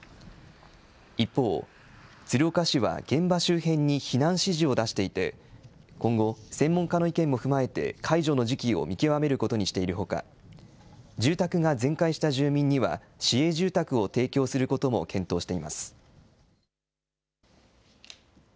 一方、鶴岡市は現場周辺に避難指示を出していて、今後、専門家の意見も踏まえて解除の時期を見極めることにしているほか、住宅が全壊した住民には、市営住宅を提供することも検討しています。